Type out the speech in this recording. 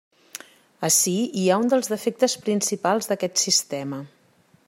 Ací hi ha un dels defectes principals d'aquest sistema.